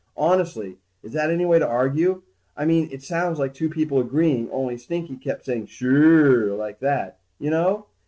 Honestly, is that any way to argue? I mean it sounds like two people agreeing, only Stinky keeps going suuure, like that, you know?